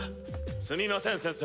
すみません先生。